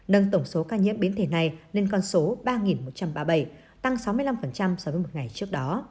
nâng tổng số ca nhiễm biến thể này lên con số ba một trăm ba mươi bảy tăng sáu mươi năm so với một ngày trước đó